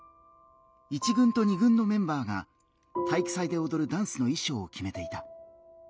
１軍と２軍のメンバーが体育祭でおどるダンスの衣装を決めていた。